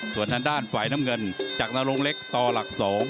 ส่วนทางด้านฝ่ายน้ำเงินจากนรงเล็กต่อหลัก๒